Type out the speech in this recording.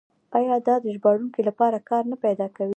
آیا دا د ژباړونکو لپاره کار نه پیدا کوي؟